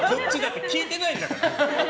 聞いてないから。